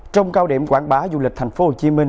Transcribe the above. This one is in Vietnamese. trong cao điểm quảng bá du lịch tp hcm